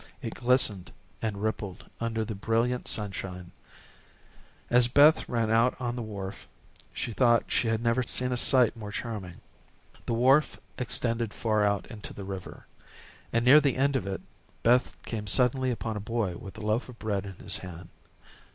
It glistened and rippled under the brilliant sunshine. As Beth ran out on the wharf, she thought she had never seen a sight more charming. The wharf extended far out into the river, and near the end of it, Beth came suddenly upon a boy with a loaf of bread in his hand.